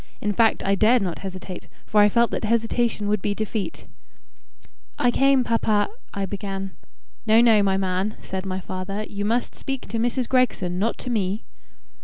In fact, I dared not hesitate, for I felt that hesitation would be defeat. "I came, papa " I began. "No no, my man," said my father; "you must speak to Mrs. Gregson, not to me."